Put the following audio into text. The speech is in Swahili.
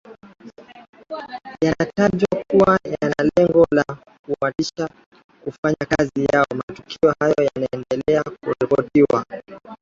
yanatajwa kuwa yanalengo la kuwatisha kufanya kazi yao matukio hayo na yameendelea kuripotiwa